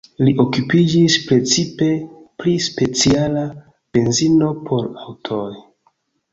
Li okupiĝis precipe pri speciala benzino por aŭtoj.